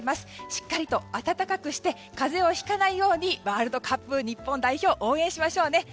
しっかり暖かくして風邪をひかないようにワールドカップ日本代表を応援しましょうね。